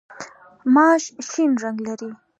ماش شین رنګ لري.